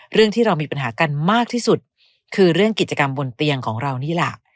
เรื่องที่เรามีปัญหากันมากที่สุดคือเรื่องกิจกรรมบนเตียงของเรานี่แหละ